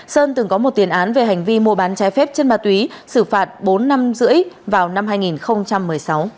sơn từng có một tiền án về hành vi mua bán trái phép chân ma túy xử phạt bốn năm rưỡi vào năm hai nghìn một mươi sáu